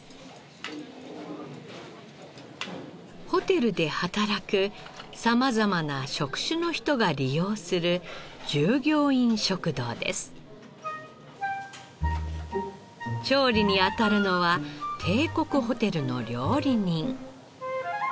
ホテルで働く様々な職種の人が利用する調理にあたるのは帝国ホテルの料理人。